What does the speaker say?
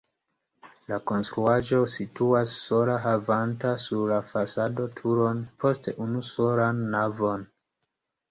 La konstruaĵo situas sola havanta sur la fasado turon, poste unusolan navon.